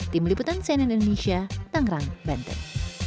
tim liputan cnn indonesia tangerang banten